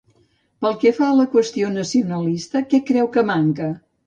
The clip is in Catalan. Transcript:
Pel que fa a la qüestió nacionalista, què creu que manca?